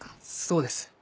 そうです。